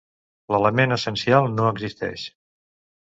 L'element essencial no existeix